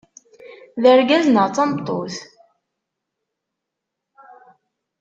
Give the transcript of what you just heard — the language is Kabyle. D argaz neɣ d tameṭṭut?